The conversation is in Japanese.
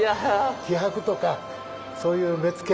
気迫とかそういう目付